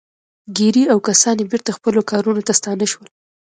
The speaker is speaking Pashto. ګیري او کسان یې بېرته خپلو کارونو ته ستانه شول